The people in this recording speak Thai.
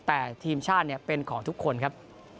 แต่ทีมชาติเป็นของทุกคนครับ